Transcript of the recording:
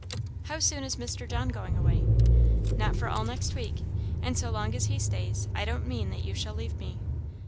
"How soon is Mr. John going away?" "Not for all next week. And so long as he stays, I do not mean that you shall leave me."